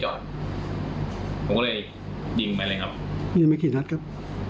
ใช่ครับ